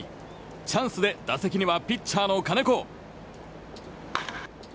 チャンスで打席にはピッチャーの金子。